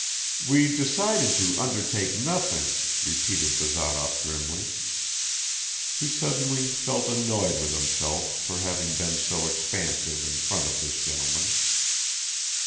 "We decided to undertake nothing," repeated Bazarov grimly. He suddenly felt annoyed with himself for having been so expansive in front of this gentleman.